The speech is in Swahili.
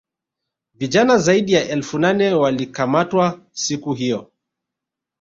vijana zaidi ya elfu nane walikamatwa siku hiyo